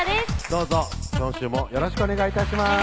どうぞ今週もよろしくお願い致します